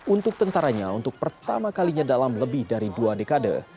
untuk tentaranya untuk pertama kalinya dalam lebih dari dua dekade